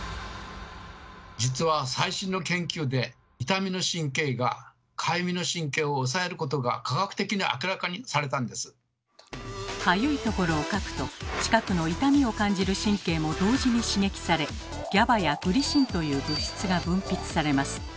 実は最新の研究でかゆいところをかくと近くの痛みを感じる神経も同時に刺激されＧＡＢＡやグリシンという物質が分泌されます。